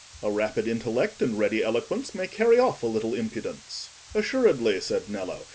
"A rapid intellect and ready eloquence may carry off a little impudence." "Assuredly," said Nello.